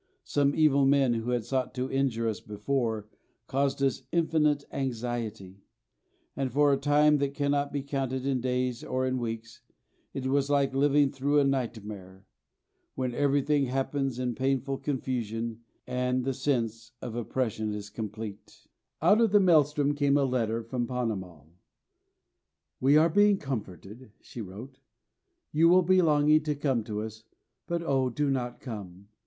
Some evil men who had sought to injure us before, caused us infinite anxiety. And for a time that cannot be counted in days or in weeks it was like living through a nightmare, when everything happens in painful confusion and the sense of oppression is complete. [Illustration: THE NEYOOR NURSERY.] Out of the maelstrom came a letter from Ponnamal. "We are being comforted," she wrote. "You will be longing to come to us, but oh, do not come!